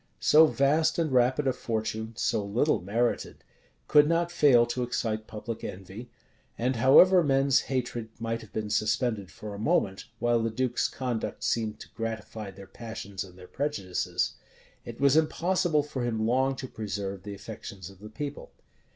So vast and rapid a fortune, so little merited, could not fail to excite public envy; and however men's hatred might have been suspended for a moment, while the duke's conduct seemed to gratify their passions and their prejudices, it was impossible for him long to preserve the affections of the people.